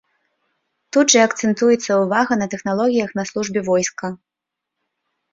Тут жа акцэнтуецца ўвага на тэхналогіях на службе войска.